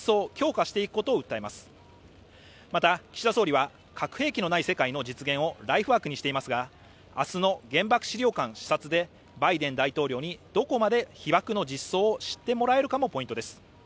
また、岸田総理は核兵器のない世界の実現をライフワークにしていますが、明日の原爆資料館視察でバイデン大統領にどこまで被爆の実相を知ってもらえるかもポイントです。